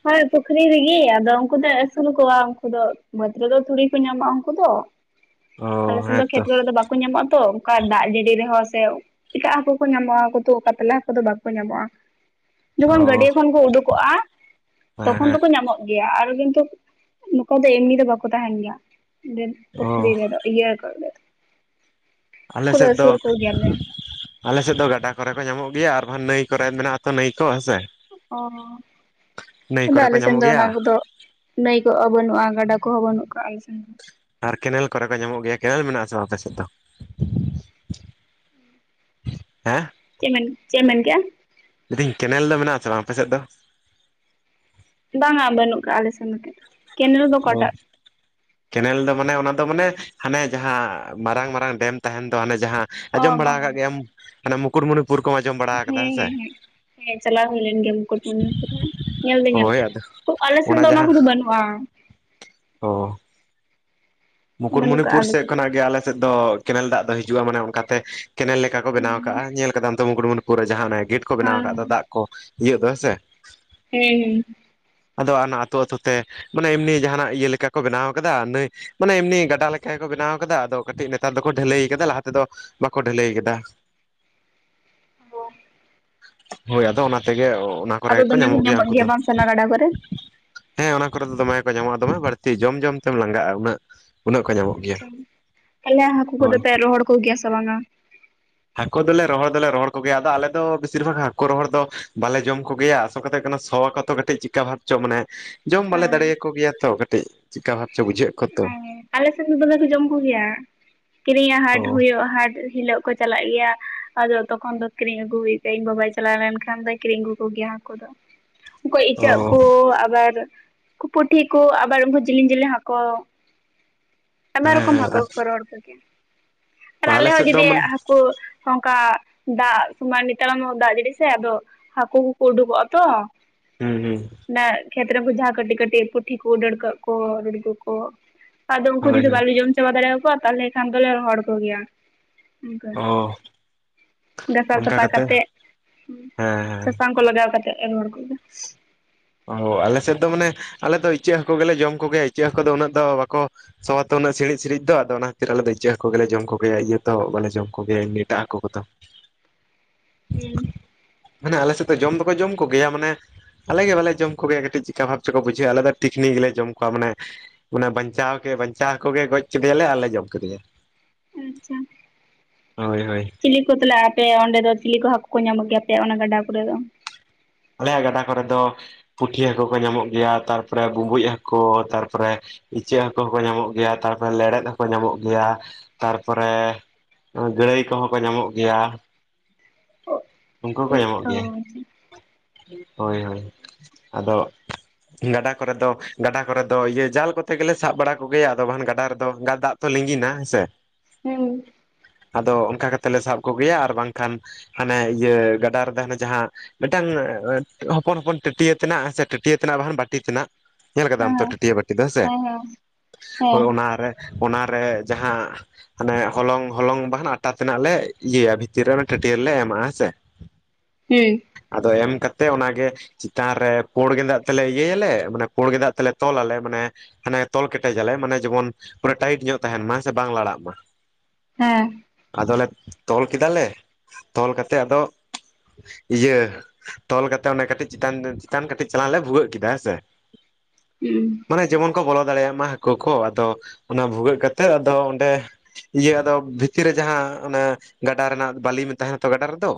ᱦᱳᱭ ᱯᱩᱠᱷᱨᱤ ᱨᱮᱜᱤ ᱟᱫᱚ ᱩᱱᱠᱩ ᱫᱚ ᱟᱹᱥᱩᱞ ᱠᱚᱣᱟ ᱩᱱᱠᱩ ᱫᱚ ᱵᱟᱹᱫᱽ ᱨᱮᱫᱚ ᱛᱷᱩᱲᱤ ᱠᱚ ᱧᱟᱢᱚᱜᱼᱟ ᱩᱱᱠᱩ ᱫᱚ᱾ ᱚ ᱟᱞᱮ ᱥᱮᱱ ᱫᱚ ᱦᱮᱸᱛᱚ ᱠᱷᱮᱛ ᱠᱚᱨᱮ ᱫᱚ ᱵᱟᱠᱚ ᱧᱟᱢᱚᱜᱼᱟ ᱛᱚ, ᱚᱱᱠᱟ ᱫᱟᱜ ᱡᱟᱹᱰᱤ ᱨᱮᱦᱚᱸ ᱥᱮ ᱮᱴᱟᱜ ᱦᱟᱹᱠᱩ ᱠᱚ ᱧᱟᱢᱚᱜᱼᱟ ᱩᱱᱠᱩ ᱛᱚ ᱠᱟᱛᱟᱞᱟ ᱦᱟᱹᱠᱩ ᱫᱚ ᱵᱟᱠᱚ ᱧᱟᱢᱚᱜᱼᱟ᱾ ᱡᱚᱠᱷᱚᱱ ᱚ ᱜᱟᱹᱰᱤᱭᱟᱹ ᱠᱷᱚᱱ ᱠᱚ ᱩᱰᱩᱠᱚᱜ -ᱟ ᱦᱮᱸ ᱛᱚᱠᱷᱚᱱ ᱦᱮᱸ᱾ ᱫᱚᱠᱚ ᱧᱟᱢᱚᱜ ᱜᱮᱭᱟ᱾ ᱟᱨ ᱠᱤᱱᱛᱩ ᱱᱚᱝᱠᱟ ᱫᱚ ᱮᱢᱱᱤ ᱫᱚ ᱵᱟᱠᱚ ᱛᱟᱦᱮᱱ ᱜᱮᱭᱟ᱾ ᱚ ᱯᱩᱠᱷᱨᱤ ᱨᱮ ᱫᱚ ᱤᱭᱟᱹ ᱦᱟᱹᱠᱩ ᱫᱚ᱾ ᱟᱞᱮ ᱥᱮᱫ ᱫᱚ ᱟᱞᱮ ᱥᱮᱫ ᱫᱚ ᱜᱟᱰᱟ ᱠᱚᱨᱮ ᱠᱚ ᱧᱟᱢᱚᱜ ᱜᱮᱭᱟ, ᱟᱨ ᱵᱟᱝ ᱱᱟᱹᱭ ᱠᱚᱨᱮ ᱢᱮᱱᱟᱜᱼᱟᱛᱚ ᱱᱟᱹᱭ ᱠᱚ ᱦᱮᱸᱥᱮ᱾ ᱱᱟᱹᱭ ᱚᱻ ᱟᱫᱚ ᱠᱚᱨᱮ ᱠᱚ ᱟᱞᱮ ᱥᱮᱱ ᱧᱟᱢᱚᱜ ᱫᱚ ᱚᱱᱟ ᱜᱮᱭᱟ ᱠᱚᱫᱚ ᱱᱟᱹᱭ ᱠᱚᱦᱚᱸᱵᱟᱹᱱᱩᱜᱼᱟ ᱜᱟᱰᱟ ᱠᱚᱦᱚᱸ ᱵᱟᱹᱱᱩᱜ ᱠᱟᱜ-ᱟ ᱟᱞᱮ ᱥᱮᱱ ᱫᱚ᱾ ᱟᱨ ᱠᱮᱱᱮᱞ ᱠᱚᱨᱮ ᱠᱚ ᱧᱟᱢᱚᱜ ᱜᱮᱭᱟ᱾ ᱠᱮᱱᱮᱞ ᱢᱮᱱᱟᱜ ᱟᱥᱮ ᱵᱟᱝ ᱟᱯᱮ ᱥᱮᱫ ᱫᱚ? ᱦᱮᱸ ᱪᱮ ᱢᱮᱱ ᱪᱮᱫ ᱮᱢ ᱢᱮᱱ ᱠᱮᱜ-ᱟ? ᱞᱤᱫᱤᱧ ᱠᱮᱱᱮᱞ ᱫᱚ ᱢᱮᱱᱟᱜ ᱟᱥᱮ ᱵᱟᱝ ᱟᱯᱮ ᱥᱮᱫ ᱫᱚ? ᱵᱟᱝᱟ ᱵᱟᱹᱱᱩᱜ ᱠᱟᱜᱼᱟ ᱟᱞᱮ ᱥᱮᱫ ᱫᱚ᱾ ᱠᱮᱱᱮᱞ ᱫᱚ ᱚ ᱚᱠᱟᱴᱟᱜ ᱠᱮᱱᱮᱞ ᱫᱚ ᱢᱟᱱᱮ ᱚᱱᱟ ᱫᱚ ᱢᱟᱱᱮ ᱦᱟᱱᱮ ᱡᱟᱦᱟᱸ ᱢᱟᱨᱟᱝ ᱢᱟᱨᱟᱝ ᱰᱮᱢ ᱛᱟᱦᱮᱱ ᱫᱚ ᱦᱟᱱᱮ ᱡᱟᱦᱟᱸ ᱚ ᱟᱸᱡᱚᱢ ᱵᱟᱲᱟ ᱵᱟᱝᱟ ᱟᱠᱟᱫ ᱜᱮᱭᱟᱢ ᱵᱟᱝᱟ ᱢᱟᱱᱮ ᱢᱩᱠᱩᱴᱢᱩᱱᱤᱯᱩᱨ ᱠᱚᱢ ᱟᱸᱡᱚᱢ ᱵᱟᱲᱟ ᱠᱟᱫᱟ ᱦᱮᱸ ᱥᱮ ᱦᱮᱸ ᱪᱟᱞᱟᱣ ᱦᱩᱭ ᱞᱮᱱ ᱜᱮᱭᱟ ᱢᱩᱠᱩᱴᱢᱩᱱᱤᱯᱩᱨ ᱦᱚᱸ, ᱧᱮᱞ ᱫᱩᱧ ᱧᱮᱞ ᱦᱳᱭ ᱠᱟᱜ-ᱟ᱾ ᱟᱫᱚ ᱛᱳ ᱟᱞᱮ ᱥᱮᱱ ᱫᱚ ᱚᱱᱟ ᱠᱚᱫᱚ ᱵᱟᱹᱱᱩᱜ -ᱟ᱾ ᱳ᱾ ᱵᱟᱹᱱᱩᱜ ᱠᱟᱜᱼᱟ ᱢᱩᱠᱩᱴᱢᱩᱱᱤᱯᱩᱨ ᱟᱞᱮ ᱥᱮᱫ ᱥᱮᱱ ᱠᱷᱚᱱᱟᱜ ᱜᱮ ᱟᱞᱮ ᱥᱮᱫ ᱫᱚ ᱠᱮᱱᱮᱞ ᱫᱟᱜ ᱫᱚ ᱦᱤᱡᱩᱜᱼᱟ, ᱢᱟᱱᱮ ᱚᱱᱠᱟᱛᱮ ᱠᱮᱱᱮᱞ ᱞᱮᱠᱟ ᱠᱚ ᱵᱮᱱᱟᱣ ᱦᱮᱸ ᱠᱟᱜᱼᱟ ᱧᱮᱞ ᱟᱠᱟᱫᱟ ᱛᱚ ᱢᱩᱠᱩᱴᱢᱩᱱᱤᱯᱩᱨ ᱨᱮ ᱡᱟᱦᱟᱸ ᱚᱱᱮ ᱜᱮᱹᱴ ᱠᱚ ᱵᱮᱱᱟᱣ ᱟᱠᱟᱫ ᱫᱚ ᱦᱮᱸ ᱫᱟᱜ ᱠᱚ ᱤᱭᱟᱹ ᱠᱚ ᱦᱮᱸ ᱥᱮ ᱦᱩᱸᱻ ᱟᱫᱚ ᱚᱱᱟ ᱟᱛᱳ ᱟᱛᱳ ᱛᱮ ᱢᱟᱱᱮ ᱮᱢᱱᱤ ᱡᱟᱦᱟᱱᱟᱜ ᱤᱭᱟᱹ ᱞᱮᱠᱟ ᱠᱚ ᱵᱮᱱᱟᱣ ᱠᱟᱫᱟ, ᱱᱟᱹᱭ ᱢᱟᱱᱮ ᱮᱢᱱᱤ ᱜᱟᱰᱟ ᱞᱮᱠᱟ ᱜᱮ ᱠᱚ ᱵᱮᱱᱟᱣ ᱠᱟᱫᱟ, ᱟᱫᱚ ᱠᱟᱹᱴᱤᱡ ᱱᱮᱛᱟᱨ ᱫᱚᱠᱚ ᱰᱷᱟᱹᱞᱟᱹᱭ ᱠᱟᱫᱟ ᱞᱟᱦᱟ ᱛᱮᱫᱚ ᱵᱟᱠᱚ ᱰᱷᱟᱹᱞᱟᱹᱭ ᱠᱟᱫᱟ᱾ ᱳ ᱦᱳᱭ ᱟᱫᱚ ᱚᱱᱟ ᱛᱮᱜᱮ ᱚᱱᱟ ᱠᱚᱨᱮ ᱟᱫᱚ ᱜᱮᱠᱚ ᱫᱚᱢᱮ ᱠᱚ ᱧᱟᱢᱚᱜ ᱜᱮᱭᱟ ᱩᱱᱠᱩ ᱫᱚ᱾ ᱵᱟᱝ ᱥᱮ ᱜᱟᱰᱟ ᱠᱚᱨᱮ ᱦᱮᱸ ᱚᱱᱟ ᱠᱚᱨᱮ ᱫᱚ ᱫᱚᱢᱮ ᱠᱚ ᱧᱟᱢᱚᱜᱼᱟ ᱫᱚᱢᱮ ᱵᱟᱹᱲᱛᱤ ᱡᱚᱢ ᱡᱚᱢ ᱛᱮᱢ ᱞᱟᱝᱜᱟᱜᱼᱟ ᱩᱱᱟᱹᱜ᱾ ᱩᱱᱟᱹᱜ ᱠᱚ ᱧᱟᱢᱚᱜ ᱜᱮᱭᱟ ᱟᱪᱪᱷᱟ ᱛᱟᱦᱟᱞᱮ ᱦᱟᱠᱩ ᱠᱚᱫᱚ ᱦᱳᱭ ᱯᱮ ᱨᱚᱦᱚᱲ ᱠᱚᱜᱮᱭᱟ ᱥᱮ ᱵᱟᱝ-ᱟ? ᱦᱟᱠᱳ ᱫᱚᱞᱮ ᱨᱚᱦᱚᱲ ᱫᱚᱞᱮ ᱨᱚᱦᱚᱲ ᱠᱚᱜᱮᱭᱟ ᱟᱫᱚ ᱟᱞᱮ ᱫᱚ ᱵᱮᱥᱤᱨ ᱵᱷᱟᱜᱽ ᱦᱟᱠᱳ ᱨᱚᱦᱚᱲ ᱫᱚ ᱵᱟᱞᱮ ᱡᱚᱢ ᱠᱚᱜᱮᱭᱟ᱾ ᱟᱥᱚᱞ ᱠᱟᱛᱷᱟ ᱦᱩᱭᱩᱜ ᱠᱟᱱᱟ ᱥᱚ ᱟᱠᱚ ᱛᱚ ᱠᱟᱹᱴᱤᱡ ᱪᱤᱠᱟ ᱵᱷᱟᱵ ᱪᱚ ᱢᱟᱱᱮ ᱡᱚᱢ ᱵᱟᱞᱮ ᱫᱟᱲᱮᱭᱟᱠᱚ ᱜᱮᱭᱟ ᱛᱚ ᱠᱟᱹᱴᱤᱡ ᱪᱤᱠᱟ ᱵᱷᱟᱵᱽ ᱪᱚ ᱵᱩᱡᱷᱟᱹᱜ ᱟᱠᱚ ᱛᱚ᱾ ᱟᱞᱮ ᱥᱮᱱ ᱫᱚ ᱫᱚᱢᱮ ᱠᱚ ᱡᱚᱢ ᱠᱚ ᱜᱮᱭᱟ, ᱠᱤᱨᱤᱧᱟᱜ ᱚ ᱦᱟᱴ ᱦᱩᱭᱩᱜᱼᱟ ᱦᱟᱴ ᱦᱤᱞᱳᱜ ᱠᱚ ᱪᱟᱞᱟᱜ ᱜᱮᱭᱟ ᱟᱫᱚ ᱛᱚᱠᱷᱚᱱ ᱫᱚ ᱠᱤᱨᱤᱧ ᱟᱹᱜᱩ ᱦᱩᱭᱼᱟ, ᱤᱧ ᱵᱟᱵᱟᱭ ᱪᱟᱞᱟᱣ ᱞᱮᱱᱠᱷᱟᱱ ᱫᱚᱭ ᱠᱤᱨᱤᱧ ᱟᱹᱜᱩ ᱠᱚᱜᱮᱭᱟ ᱦᱟᱠᱳ ᱫᱚ ᱩᱱᱠᱩ ᱚ ᱤᱪᱟᱹᱜ ᱠᱩ ᱟᱵᱟᱨ ᱯᱩᱴᱷᱤ ᱠᱚ ᱟᱵᱟᱨ ᱩᱱᱠᱩ ᱡᱮᱞᱤᱧ ᱡᱮᱞᱮᱞᱤᱧ ᱦᱟᱠᱩ ᱟᱭᱢᱟ ᱨᱚᱠᱚᱢ ᱦᱮᱸ ᱦᱟᱹᱠᱩ ᱦᱮᱸ ᱠᱚ ᱨᱚᱦᱚᱲ ᱠᱚᱜᱮᱭᱟ ᱟᱨ ᱟᱞᱮ ᱦᱚᱸ ᱥᱮᱫ ᱫᱚ ᱡᱩᱫᱤ ᱢᱟᱱᱮ ᱦᱟᱠᱩ ᱚᱱᱠᱟ ᱫᱟᱜ ᱢᱟ ᱱᱮᱛᱟᱨ ᱢᱟ ᱫᱟᱜ ᱡᱟᱹᱲᱤ ᱥᱮ ᱟᱫᱚ ᱦᱟ‌ᱠᱩ ᱠᱚᱠᱚ ᱩᱰᱩᱠᱚᱜ-ᱟ ᱛᱚ ᱦᱩᱸ ᱦᱩᱸ᱾ ᱚᱱᱟ ᱠᱷᱮᱛᱨᱮ ᱩᱱᱠᱩ ᱡᱟᱦᱟᱸ ᱠᱟᱹᱴᱤ ᱠᱟᱴᱤᱜ ᱯᱩᱴᱷᱤ ᱠᱩ ᱰᱟᱹᱲᱠᱟᱹᱜ ᱠᱚ [unintelligible] ᱠᱚ ᱟᱫᱚ ᱩᱝᱠᱩ ᱦᱳᱭ ᱡᱩᱫᱤ ᱦᱳᱭ ᱵᱟᱞᱮ ᱡᱚᱢ ᱪᱟᱵᱟ ᱫᱟᱲᱮᱭᱟᱠᱚᱣᱟ ᱛᱟᱦᱚᱞᱮ ᱠᱷᱟᱱ ᱫᱚᱞᱮ ᱨᱚᱦᱚᱲ ᱠᱚᱜᱮᱭᱟ᱾ ᱚᱝᱠᱟ ᱚ ᱜᱷᱟᱥᱟᱣ ᱥᱟᱯᱷᱟ ᱠᱟᱛᱮ ᱦᱮᱸ ᱦᱮᱸ ᱥᱟᱥᱟᱝ ᱠᱚ ᱞᱟᱜᱟᱣ ᱠᱟᱛᱮ ᱨᱚᱦᱚᱲ ᱠᱚᱣᱟ᱾ ᱚ ᱟᱞᱮ ᱥᱮᱫ ᱫᱚ ᱢᱟᱱᱮ ᱟᱞᱮᱫᱚ ᱤᱪᱟᱹᱜ ᱦᱟᱹᱠᱩ ᱜᱮᱞᱮ ᱡᱚᱢ ᱠᱚᱜᱮᱭᱟ ᱤᱪᱟᱹᱜ ᱦᱟᱹᱠᱩ ᱫᱚ ᱩᱱᱟᱹᱜ ᱫᱚ ᱵᱟᱠᱚ ᱥᱚ ᱟᱛᱚ ᱩᱱᱟᱜ ᱥᱤᱬᱤᱡ ᱥᱤᱬᱤᱡ ᱫᱚ ᱟᱫᱚ ᱚᱱᱟᱠᱷᱟᱹᱛᱤᱨ ᱟᱞᱮ ᱤᱪᱟ. ᱜ ᱦᱟᱹᱠᱩ ᱜᱮᱞᱮ ᱡᱚᱢ ᱠᱚᱜᱮᱭᱟ ᱤᱭᱟᱹ ᱫᱟ ᱵᱟᱮ ᱡᱚᱢ ᱠᱚᱜᱮᱭᱟ ᱮᱢᱱᱤ ᱮᱴᱟᱜ ᱦᱟᱠᱩ ᱠᱚᱫᱚ᱾ ᱦᱩᱸ᱾ ᱢᱟᱱᱮ ᱟᱞᱮ ᱥᱮᱫ ᱫᱚ ᱡᱚᱢ ᱫᱚ ᱠᱚ ᱡᱚᱢ ᱠᱚ ᱜᱮᱭᱟ ᱢᱟᱱᱮ ᱟᱞᱮ ᱜᱮ ᱵᱟᱞᱮ ᱡᱚᱢ ᱠᱚ ᱜᱮᱭᱟ ᱠᱟᱹᱴᱤᱡ ᱪᱤᱠᱟ ᱵᱷᱟᱵ ᱪᱚ ᱠᱚ ᱵᱩᱡᱷᱟᱹᱜᱼᱟ ᱟᱞᱮ ᱫᱚ ᱛᱤᱠᱷᱱᱤ ᱜᱮ ᱞᱮ ᱡᱚᱢ ᱠᱚᱣᱟ ᱢᱟᱱᱮ ᱚᱱᱟ ᱵᱟᱧᱪᱟᱣ ᱜᱮ ᱵᱟᱧᱪᱟᱣ ᱠᱚ ᱜᱮ ᱜᱚᱡ ᱠᱮᱫᱮᱭᱟ ᱞᱮ ᱟᱨ ᱞᱮ ᱡᱚᱢ ᱠᱮᱫᱮᱭᱟ᱾ ᱟᱪᱪᱷᱟ ᱦᱳᱭ ᱦᱳᱭ᱾ ᱪᱤᱞᱤ ᱠᱚ ᱛᱟᱞᱦᱮ ᱟᱯᱮ ᱚᱸᱰᱮ ᱫᱚ ᱪᱤᱞᱤ ᱠᱚ ᱦᱟᱹᱠᱩ ᱠᱚ ᱧᱟᱢᱚᱜ ᱜᱮᱭᱟ ᱟᱯᱮᱭᱟᱜ ᱚᱱᱟ ᱜᱟᱰᱟ ᱠᱚ ᱨᱮ ᱫᱚ? ᱟᱞᱮᱭᱟᱜ ᱜᱟᱰᱟ ᱠᱚ ᱨᱮ ᱫᱚ ᱯᱩᱴᱷᱤ ᱦᱟᱹᱠᱩ ᱠᱚ ᱧᱟᱢᱚᱜ ᱜᱮᱭᱟ ᱛᱟᱨ-ᱯᱚᱨᱮ ᱵᱩᱸᱵᱩᱡ ᱦᱟᱹᱠᱩ, ᱛᱟᱨ-ᱯᱚᱨᱮ ᱤᱪᱟᱹᱜ ᱦᱟᱹᱠᱩ ᱠᱚ ᱧᱟᱢᱚᱜ ᱜᱮᱭᱟ ᱛᱟᱨ-ᱯᱚᱨᱮ ᱞᱮᱲᱮᱫ ᱦᱚᱸ ᱠᱚ ᱧᱟᱢᱚᱜ ᱜᱮᱭᱟ ᱛᱟᱨᱯᱚᱨᱮ ᱜᱟᱹᱲᱟᱹᱭ ᱠᱚ ᱦᱚᱸ ᱠᱚ ᱧᱟᱢᱚᱜ ᱜᱮᱭᱟ᱾ ᱩᱱᱠᱩ ᱠᱚ ᱧᱟᱢᱚᱜ ᱜᱮᱭᱟ [inaudible] ᱦᱳᱭ ᱦᱳᱭ, ᱟᱫᱚ ᱜᱟᱰᱟ ᱠᱚ ᱨᱮ ᱫᱚ ᱜᱟᱰᱟ ᱠᱚ ᱨᱮ ᱫᱚ ᱤᱭᱟᱹ ᱡᱟᱞ ᱠᱚ ᱛᱮ ᱜᱮ ᱞᱮ ᱥᱟᱵ ᱵᱟᱲᱟ ᱠᱚ ᱜᱮᱭᱟ ᱟᱫᱚ ᱵᱟᱱ ᱜᱟᱰᱟ ᱨᱮ ᱫᱚ ᱜᱟ ᱫᱟᱜ ᱛᱚ ᱞᱤᱸᱜᱤ ᱦᱮᱸᱥᱮ? ᱦᱩᱸ᱾ ᱟᱫᱚ ᱚᱱᱠᱟ ᱠᱟᱛᱮ ᱞᱮ ᱥᱟᱵ ᱠᱚ ᱜᱮᱭᱟ ᱟᱨ ᱵᱟᱝᱠᱷᱟᱱ ᱦᱟᱸᱱᱮ ᱤᱭᱟᱹ ᱜᱟᱰᱟ ᱨᱮ ᱫᱚ ᱦᱟᱸᱱᱮ ᱡᱟᱦᱟᱸ ᱢᱤᱫᱴᱟᱝ ᱦᱚᱯᱚᱱ ᱦᱚᱯᱚᱱ ᱴᱟᱹᱴᱭᱟᱹ ᱛᱟᱱᱟᱜ ᱥᱮ ᱴᱟᱹᱴᱭᱟᱹ ᱛᱟᱱᱟᱜ ᱵᱟᱠᱷᱟᱱ ᱵᱟᱹᱴᱤ ᱛᱟᱱᱟᱜ ᱧᱮᱞ ᱠᱟᱫᱟᱢ ᱛᱚ ᱴᱟᱹᱴᱭᱟᱹ ᱵᱟᱹᱴᱤ ᱫᱚ ᱦᱮᱸ ᱥᱮ ᱦᱳᱭ ᱚᱱᱟᱨᱮ ᱚᱱᱟᱨᱮ ᱡᱟᱦᱟᱸ ᱦᱟᱸᱱᱮ ᱦᱚᱞᱚᱝ ᱦᱚᱞᱚᱝ ᱵᱟᱦᱟᱴᱟ ᱛᱮᱱᱟᱜ ᱞᱮ ᱤᱭᱟᱹᱭᱟ ᱵᱷᱤᱛᱤᱨ ᱨᱮ ᱚᱱᱟ ᱴᱷᱟᱹᱴᱭᱟᱹ ᱨᱮ ᱞᱮ ᱮᱢᱟᱜ-ᱟ ᱦᱮᱸ ᱥᱮ? ᱦᱩᱸ᱾ ᱟᱫᱚ ᱮᱢ ᱠᱟᱛᱮᱜ ᱚᱱᱟ ᱜᱮ ᱪᱤᱛᱟᱱ ᱨᱮ ᱯᱩᱸᱲ ᱜᱮᱸᱫᱟᱜ ᱛᱮ ᱞᱮ ᱤᱭᱟᱹᱭᱟᱞᱮ ᱢᱟᱱᱮ ᱯᱳᱸᱲ ᱜᱮᱸᱫᱟᱜ ᱛᱮ ᱞᱮ ᱛᱚᱞ-ᱟᱞᱮ ᱢᱟᱱᱮ ᱦᱟᱸᱱᱮ ᱛᱚᱞ ᱠᱮᱴᱮᱡᱟᱞᱮ ᱢᱟᱱᱮ ᱡᱮᱢᱚᱱ ᱯᱩᱨᱟᱹ ᱴᱟᱭᱤᱴ ᱧᱚᱜ ᱛᱟᱦᱮᱸᱱ ᱢᱟ ᱥᱮ ᱵᱟᱝ ᱞᱟᱲᱟᱜ ᱢᱟ᱾ ᱦᱮᱸ᱾ ᱟᱫᱚ ᱞᱮ ᱛᱚᱞ ᱠᱮᱫᱟ ᱞᱮ ᱛᱚᱞ ᱠᱟᱛᱮ ᱟᱫᱚ ᱤᱭᱟᱹ ᱛᱚᱞ ᱠᱟᱛᱮ ᱚᱱᱮ ᱠᱟᱹᱴᱤᱡ ᱪᱮᱛᱟᱱ ᱪᱮᱛᱟᱱ ᱠᱟᱹᱴᱤᱡ ᱪᱟᱞᱟᱝ ᱞᱮ ᱵᱷᱩᱜᱟᱹᱜ ᱠᱮᱫᱟ ᱦᱮᱸ ᱥᱮ? ᱦᱩᱸ᱾ ᱢᱟᱱᱮ ᱡᱮᱢᱚᱱ ᱠᱚ ᱵᱚᱞᱚ ᱫᱟᱲᱮᱭᱟᱜ ᱢᱟ ᱦᱟᱹᱠᱩ ᱠᱚ ᱟᱫᱚ ᱚᱱᱟ ᱵᱷᱩᱜᱟᱹᱜ ᱠᱟᱛᱮᱜ ᱟᱫᱚ ᱚᱸᱰᱮ ᱤᱭᱟᱹ ᱟᱫᱚ ᱵᱷᱤᱛᱤᱨ ᱨᱮ ᱡᱟᱦᱟᱸ ᱚᱱᱟ ᱜᱟᱰᱟ ᱨᱮᱱᱟᱜ ᱵᱟᱹᱞᱤᱢ ᱛᱟᱦᱮᱸᱱᱟ ᱛᱚ ᱜᱟᱰᱟ ᱨᱮ ᱫᱚ,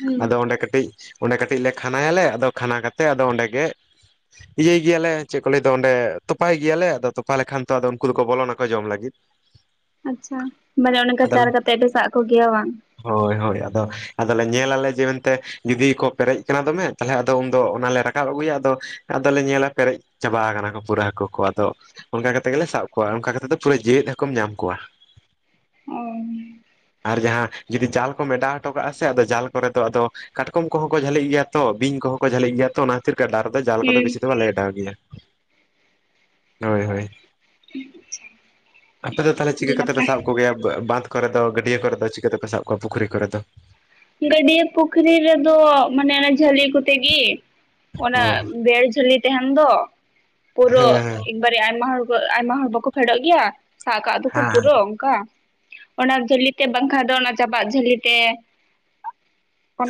ᱦᱩᱸ ᱟᱫᱚ ᱚᱸᱰᱮ ᱠᱟᱹᱴᱤᱡ ᱚᱸᱰᱮ ᱠᱟᱹᱴᱤᱡ ᱞᱮ ᱠᱷᱟᱱᱟᱭᱟ ᱞᱮ ᱟᱫᱚ ᱠᱷᱟᱱᱟ ᱠᱟᱛᱮ ᱟᱫᱚ ᱚᱸᱰᱮ ᱜᱮ ᱤᱭᱟᱹᱭ ᱜᱮᱭᱟ ᱞᱮ ᱪᱮᱫ ᱠᱚ ᱞᱟᱹᱭ ᱫᱚ ᱚᱸᱰᱮ ᱛᱚᱯᱟᱭ ᱜᱮᱭᱟ ᱞᱮ ᱟᱫᱚ ᱛᱚᱯᱟ ᱞᱮᱠᱷᱟᱱ ᱛᱚ ᱟᱫᱚ ᱩᱱᱠᱩ ᱫᱚ ᱠᱚ ᱵᱚᱞᱚᱱᱟᱠᱚ ᱡᱚᱢ ᱞᱟᱹᱜᱤᱫ, [inaudible] ᱟᱪᱪᱷᱟ ᱢᱟᱱᱮ ᱚᱱᱮ ᱚᱱᱠᱟ ᱟᱫᱚ ᱪᱟᱨᱟ ᱠᱟᱛᱮᱜ ᱯᱮ ᱥᱟᱵ ᱠᱚ ᱜᱮᱭᱟ ᱵᱟᱝ? ᱦᱳᱭ ᱦᱳᱭ ᱟᱫᱚ ᱟᱫᱚ ᱞᱮ ᱧᱮᱞ ᱟᱞᱮ ᱡᱮ ᱢᱮᱱᱛᱮ ᱡᱩᱫᱤ ᱠᱚ ᱯᱮᱨᱮᱡ ᱠᱟᱱᱟ ᱫᱚᱢᱮ ᱛᱟᱦᱞᱮ ᱟᱫᱚ ᱩᱱᱫᱚ ᱚᱱᱟ ᱞᱮ ᱨᱟᱠᱟᱵ ᱟᱹᱜᱩᱭᱟ ᱟᱫᱚ ᱟᱫᱚ ᱞᱮ ᱧᱮᱞᱟ ᱯᱮᱨᱮᱡ ᱪᱟᱵᱟ ᱠᱟᱱᱟ ᱠᱚ ᱯᱩᱨᱟᱹ ᱦᱟᱹᱠᱩ ᱠᱚ ᱟᱫᱚ ᱚᱱᱠᱟ ᱠᱟᱛᱮ ᱜᱮ ᱞᱮ ᱥᱟᱵ ᱠᱚᱣᱟ ᱚᱱᱠᱟ ᱠᱟᱛᱮ ᱫᱚ ᱯᱩᱨᱟᱹ ᱡᱮᱣᱮᱫ ᱦᱟᱹᱠᱩᱢ ᱧᱟᱢ ᱠᱚᱣᱟ᱾ [inaudible] ᱚ᱾ ᱟᱨ ᱡᱟᱦᱟᱸ ᱡᱩᱫᱤ ᱡᱟᱞ ᱠᱚᱢ ᱮᱰᱟᱣ ᱦᱚᱴᱚ ᱠᱟᱜᱼᱟ ᱥᱮ ᱟᱫᱚ ᱡᱟᱞ ᱠᱚᱨᱮ ᱫᱚ ᱟᱫᱚ ᱠᱟᱴᱠᱚᱢ ᱠᱚᱦᱚᱸ ᱠᱚ ᱡᱷᱟᱹᱞᱤᱜ ᱜᱮᱭᱟ ᱛᱚ, ᱵᱤᱧ ᱠᱚ ᱦᱚᱸ ᱡᱷᱟᱹᱞᱤᱜ ᱜᱮᱭᱟ ᱛᱚ, ᱚᱱᱟ ᱠᱷᱟᱛᱤᱨ ᱜᱟᱰᱟ ᱨᱮ ᱫᱚ ᱡᱟᱞ ᱠᱚ ᱫᱚ ᱵᱮᱥᱤ ᱫᱚ ᱵᱟᱞᱮ ᱚᱰᱟᱣ ᱜᱮᱭᱟ᱾ ᱦᱳᱭ ᱦᱳᱭ ᱾ ᱟᱯᱮ ᱫᱚ ᱛᱟᱦᱚᱞᱮ ᱟᱹᱰᱤ ᱪᱤᱠᱟᱹ ᱠᱟᱛᱮ ᱯᱮ ᱱᱟᱯᱟᱭ ᱥᱟᱵ ᱠᱚ ᱜᱮᱭᱟ ᱵᱟᱸᱫ ᱠᱚ ᱨᱮ ᱫᱚ ᱜᱟᱹᱰᱭᱟᱹ ᱠᱚ ᱨᱮ ᱫᱚ ᱪᱤᱠᱟᱹ ᱛᱮ ᱯᱮ ᱥᱟᱵ ᱠᱚᱣᱟ ᱯᱩᱠᱷᱨᱤ ᱠᱚ ᱨᱮ ᱫᱚ? ᱜᱟᱹᱰᱤᱭᱟᱹ ᱯᱩᱠᱷᱨᱤ ᱨᱮᱫᱚ ᱢᱟᱱᱮ ᱚᱱᱟ ᱡᱷᱟᱹᱞᱤ ᱠᱚᱛᱮ ᱜᱮ ᱾ ᱚ ᱚᱱᱟ [inaudible] ᱡᱷᱟᱹᱞᱤ ᱛᱟᱦᱮᱱ ᱫᱚ ᱯᱩᱨᱟᱹ ᱦᱮᱸ ᱮᱠᱵᱟᱨᱮ ᱟᱭᱢᱟ ᱦᱚᱲ ᱠᱚ ᱟᱭᱢᱟ ᱦᱚᱲ ᱵᱟᱠᱚ ᱯᱷᱮᱰᱚᱜ ᱜᱮᱭᱟ ᱾ ᱥᱟᱜ ᱠᱟᱜ ᱫᱚᱠᱚ ᱯᱩᱨᱟᱹ ᱚᱝᱠᱟ ᱚᱱᱟ ᱡᱷᱟᱹᱞᱤ ᱛᱮ ᱵᱟᱝᱠᱷᱟᱡ ᱫᱚ ᱚᱱᱟ ᱪᱟᱵᱟᱜ ᱡᱷᱟᱹᱞᱤ ᱛᱮ᱾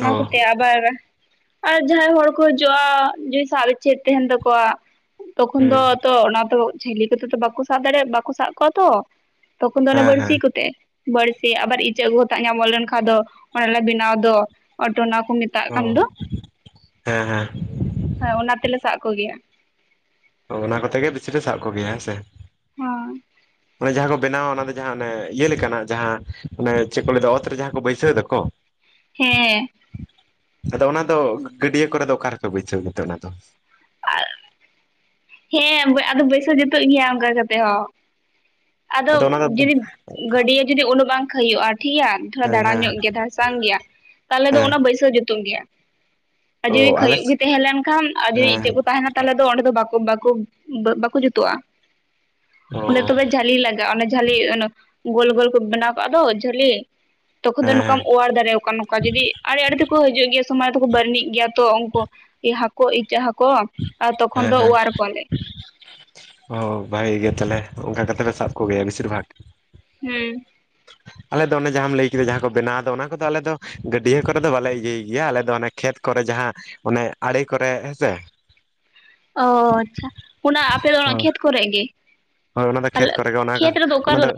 ᱦᱮᱸ ᱦᱮᱸ ᱚ ᱠᱚᱛᱮ - [inaudible] ᱟᱨ ᱡᱟᱦᱟᱸᱭ ᱦᱚᱲ ᱠᱚ ᱦᱤᱡᱩᱜ-ᱟ ᱡᱩᱫᱤ ᱥᱟᱵ ᱤᱪᱪᱷᱟᱹ ᱛᱮᱦᱮᱱ ᱛᱟᱠᱚᱣᱟ ᱛᱚᱠᱷᱚᱱ ᱫᱚ ᱦᱩᱸ ᱟᱫᱚ ᱚᱱᱟ ᱫᱚ ᱡᱷᱟᱹᱞᱤ ᱠᱚᱛᱮ ᱫᱚ ᱵᱟᱠᱚ ᱥᱟᱵ ᱫᱟᱲᱮᱭᱟᱜ ᱵᱟᱠᱚ ᱥᱟᱵ ᱠᱚᱣᱟ ᱛᱚ᱾ ᱛᱚᱠᱷᱚᱱ ᱫᱚ ᱚᱱᱟ ᱦᱮᱸ ᱵᱟᱹᱲᱥᱤ ᱦᱮᱸ ᱠᱚᱛᱮ ᱵᱟᱹᱲᱥᱤ ᱟᱵᱟᱨ ᱤᱪᱟᱹᱜ [inaudible] ᱧᱟᱢᱚᱜ ᱞᱮᱱᱠᱷᱟᱱ ᱫᱚ ᱚᱱᱮᱞᱮ ᱵᱮᱱᱟᱣ ᱫᱚ ᱚᱴᱚ ᱚᱱᱟ ᱠᱚ ᱢᱮ ᱚ ᱦᱮᱸ ᱦᱮᱸ ᱾ ᱦᱮᱸ ᱚᱱᱟ ᱛᱮᱞᱮ ᱥᱟᱵ ᱠᱚᱜᱮᱭᱟ ᱾ ᱚ ᱚᱱᱟ ᱠᱚᱛᱮ ᱜᱮ ᱵᱤᱥᱤ ᱯᱮ ᱥᱟᱵ ᱠᱚᱜᱮᱭᱟ ᱦᱮᱸᱥᱮ ᱾ ᱦᱳᱭ᱾ ᱡᱟᱦᱟᱸ ᱠᱚ ᱵᱮᱱᱟᱣᱟ ᱚᱱᱟ ᱫᱚ ᱡᱟᱦᱟᱸ ᱚᱱᱮ ᱤᱭᱟᱹ ᱞᱮᱠᱟᱱᱟᱜ ᱡᱟᱦᱟᱸ ᱚᱱᱮ ᱪᱮᱫ ᱠᱚ ᱢᱮᱛᱟᱜᱟ ᱚᱛ ᱨᱮ ᱡᱟᱦᱟᱸ ᱠᱚ ᱵᱟᱹᱭᱥᱟᱹᱣ ᱫᱟᱠᱚ ᱾ [unintelligible] ᱦᱮᱸ ᱾ ᱟᱫᱚ ᱚᱱᱟ ᱫᱚ ᱜᱟᱹᱰᱭᱟᱹ ᱠᱚᱨᱮ ᱫᱚ ᱚᱠᱟ ᱨᱮᱯᱮ ᱵᱟᱹᱭᱥᱟᱹᱣ ᱜᱮᱛᱮ ᱚᱱᱟ ᱫᱚ? ᱦᱮᱸ ᱵᱟᱹᱭ ᱟᱫᱚ ᱵᱟᱹᱭᱥᱟᱹᱣ ᱡᱩᱛᱩᱜ ᱜᱮᱭᱟ ᱚᱱᱠᱟ ᱠᱟᱛᱮᱜ ᱦᱚᱸ᱾ ᱟᱫᱚ ᱚᱱᱟ ᱫᱚ ᱡᱩᱫᱤ ᱜᱟᱹᱰᱭᱟᱹ ᱡᱩᱫᱤ ᱩᱱᱟᱹᱜ ᱵᱟᱝ ᱠᱷᱟᱹᱭᱳᱜᱼᱟ ᱴᱷᱤᱠᱜᱮᱭᱟ ᱛᱷᱚᱲᱟ ᱦᱮᱸ ᱫᱟᱲᱟᱝ ᱦᱮᱸ ᱧᱚᱜ ᱜᱮᱭᱟ ᱥᱟᱝ ᱜᱮᱭᱟ ᱛᱟᱦᱚᱞᱮ ᱫᱚ ᱦᱮᱸ ᱚᱱᱟ ᱵᱟᱹᱭᱥᱟᱹᱣ ᱡᱩᱛᱩᱜ ᱜᱮᱭᱟ᱾ ᱟᱨ ᱡᱩᱫᱤ ᱚ ᱟᱞᱮ ᱠᱷᱟᱹᱭᱚᱜ ᱜᱮ ᱛᱟᱦᱮᱸ ᱞᱮᱱ ᱠᱷᱟᱱ ᱟᱨ ᱡᱩᱫᱤ ᱦᱮᱸ ᱤᱧᱟᱹᱜ ᱠᱚ ᱦᱮᱸ ᱛᱟᱦᱮᱱᱟ ᱛᱟᱦᱚᱞᱮ ᱫᱚ ᱚᱸᱰᱮ ᱫᱚ ᱵᱟᱠᱚ ᱵᱟ ᱠᱚᱵ ᱵᱟᱠᱚ ᱡᱩᱛᱩᱜᱼᱟ ᱚ ᱚᱸᱰᱮ ᱛᱚᱵᱮ ᱡᱷᱟᱹᱞᱤ ᱞᱟᱜᱟᱜᱼᱟ ᱚᱱᱟ ᱡᱟᱹᱞᱤ ᱚᱱᱟ ᱜᱳᱞ ᱜᱳᱞ ᱠᱚ ᱵᱮᱱᱟᱣ ᱠᱟᱜ ᱫᱚ ᱡᱷᱟᱹᱞᱤ ᱾ [unintelligible] ᱛᱚᱠᱷᱚᱱ ᱫᱚ ᱱᱚᱝᱠᱟᱢ ᱚᱣᱟᱨ ᱫᱟᱲᱮᱭ ᱟᱠᱚᱣᱟ ᱱᱚᱝᱠᱟ ᱡᱩᱫᱤ ᱟᱲᱮ ᱟᱲᱮ ᱛᱮᱠᱚ ᱦᱤᱡᱩᱜ ᱜᱮᱭᱟ ᱥᱚᱢᱚᱭ ᱫᱚᱠᱚ ᱵᱟᱹᱨᱱᱤᱡ ᱜᱮᱭᱟ ᱛᱚ ᱩᱱᱠᱩ ᱾ ᱮ ᱦᱟᱹᱠᱳ ᱤᱪᱟᱹᱜ ᱦᱟᱹᱠᱳ ᱵᱟᱝ ᱦᱮᱸ ᱦᱮᱸ ᱚ ᱵᱷᱟᱜᱤ ᱜᱮᱭᱟ ᱛᱟᱦᱚᱞᱮ ᱚᱱᱠᱟ ᱠᱟᱛᱮ ᱥᱟᱵ ᱠᱚᱜᱮᱭᱟ ᱵᱮᱥᱤᱨ ᱵᱷᱟᱜ ᱾ ᱦᱩᱸ ᱾ ᱟᱞᱮ ᱫᱚ ᱚᱱᱮ ᱡᱟᱦᱟᱸᱢ ᱞᱟᱹᱭ ᱠᱮᱫᱟ ᱡᱟᱦᱟᱸ ᱠᱚ ᱵᱮᱱᱟᱣ ᱫᱚ ᱚᱱᱟ ᱠᱚᱫᱚ ᱟᱞᱮ ᱫᱚ ᱜᱟᱹᱰᱭᱟᱹ ᱠᱚᱨᱮ ᱫᱚ ᱵᱟᱞᱮ ᱤᱭᱟᱹᱭ ᱜᱮᱭᱟ ᱟᱞᱮ ᱫᱚ ᱚᱱᱮ ᱠᱷᱮᱛ ᱠᱚᱨᱮ ᱡᱟᱦᱟᱸ ᱚᱱᱮ ᱟᱲᱮ ᱠᱚᱨᱮ ᱦᱮᱸᱥᱮ ᱾ [unintelligible] ᱚ ᱟᱪᱪᱷᱟ ᱚᱱᱟ ᱟᱯᱮ ᱚᱲᱟᱜ ᱠᱷᱮᱛ ᱠᱚᱨᱮᱜ ᱜᱮ? ᱦᱳᱭ ᱚᱱᱟ ᱫᱚ ᱠᱷᱮᱛ ᱟᱞᱮ ᱠᱚᱨᱮ ᱜᱮ ᱚᱱᱟ ᱠᱚ ᱠᱷᱮᱛ ᱨᱮᱫᱚ ᱚᱠᱟ ᱚᱱᱟ ᱞᱟᱜᱟᱣ ᱫᱚ ᱾